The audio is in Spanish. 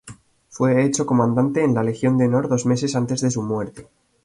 Fue hecho Comandante de la Legión de Honor dos meses antes de su muerte.